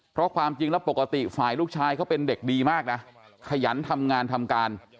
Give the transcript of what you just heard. เพราะความจริงแล้วปกติฝ่ายลูกชายเขาเป็นเด็กดีมากนะขยันทำงานทำการ